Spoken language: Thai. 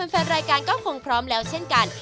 แฟนรายการก็คงพร้อมแล้วเช่นกัน